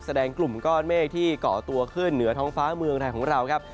กลุ่มก้อนเมฆที่เกาะตัวขึ้นเหนือท้องฟ้าเมืองไทยของเราครับ